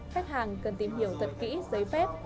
khách hàng cần tìm hiểu thật kỹ giấy phép